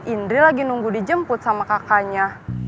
indri lagi nunggu dijemput sama kakaknya